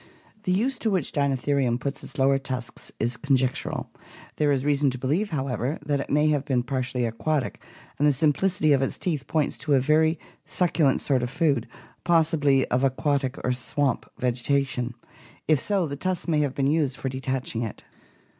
The use to which Dinotherium put its lower tusks is conjectural; there is reason to believe, however, that it may have been partially aquatic and the simplicity of its teeth points to a very succulent sort of food, possibly of aquatic or swamp vegetation; if so, the tusks may have been used for detaching it.